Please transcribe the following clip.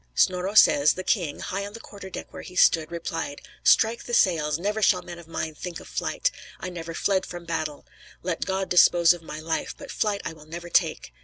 Snorro says, the king, high on the quarter deck where he stood, replied, "Strike the sails! never shall men of mine think of flight. I never fled from battle. Let God dispose of my life; but flight I will never take."